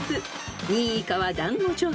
［２位以下はだんご状態］